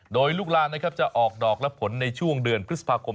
โดยลูกลานนะครับจะออกดอกและผลในช่วงเดือนพฤษภาคม